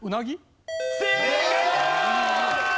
正解だ！